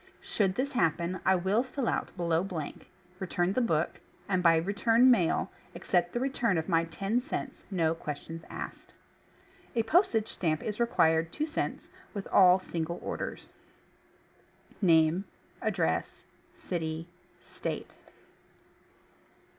Sho'uld this happen I will fill out BELOW blank, return the BOOK, and by return ]\IAIL, accept the return of my TEN CENTS— no questions ASKED. A postage stamp is required (2 cents) with all single orders. Name Address. City State